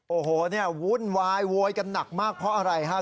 โอ้โหเนี่ยวุ่นวายโวยกันหนักมากเพราะอะไรครับ